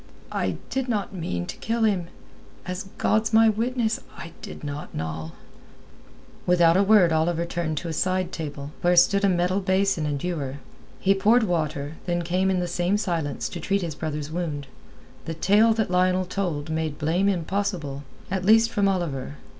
I did not mean to kill him—as God's my witness, I did not, Noll." Without a word Oliver turned to a side table, where stood a metal basin and ewer. He poured water, then came in the same silence to treat his brother's wound. The tale that Lionel told made blame impossible, at least from Oliver.